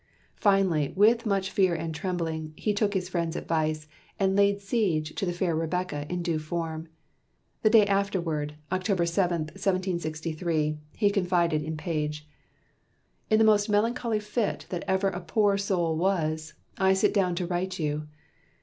Finally, with much fear and trembling, he took his friend's advice, and laid siege to the fair Rebecca in due form. The day afterward October 7, 1763 he confided in Page: "In the most melancholy fit that ever a poor soul was, I sit down to write you.